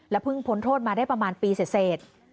และเพิ่งพ้นโทษมาได้ประมาณปีเศษ